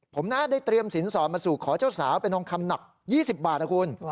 ผมนะได้เตรียมสินสอดมาสู่ขอเจ้าสาวเป็นทองคำหนัก๒๐บาทนะคุณ